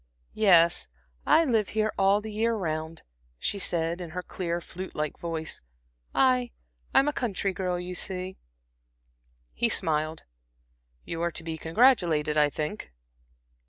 "Yes, I live here all the year round," she said, in her clear, flute like voice. "I I'm a country girl, you see." He smiled. "You are to be congratulated, I think."